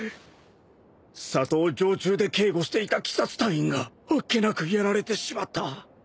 里を常駐で警護していた鬼殺隊員があっけなくやられてしまった